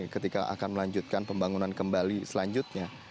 ketika akan melanjutkan pembangunan kembali selanjutnya